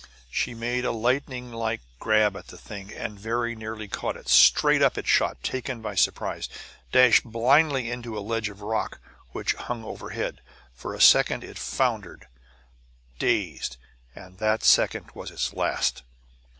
She made a lightninglike grab at the thing, and very nearly caught it. Straight up it shot, taken by surprise, and dashed blindly into a ledge of rock which hung overhead. For a second it floundered, dazed; and that second was its last.